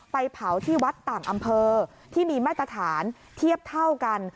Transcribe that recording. ไปเผาที่วัดต่างอำเภอที่มีมาตรฐานเทียบเท่ากัน